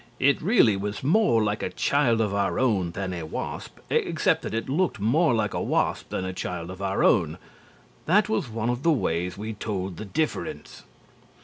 It really was more like a child of our own than a wasp, except that it looked more like a wasp than a child of our own. That was one of the ways we told the difference.